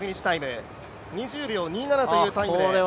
２０秒２７というタイムで。